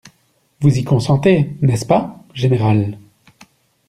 Vous y consentez, n'est-ce pas, général?